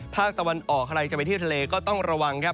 ภาคตะวันออกใครจะไปเที่ยวทะเลก็ต้องระวังครับ